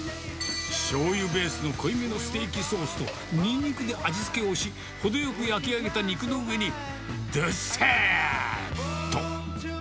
しょうゆベースの濃いめのステーキソースと、にんにくで味付けをし、程よく焼き上げた肉の上に、どさっと。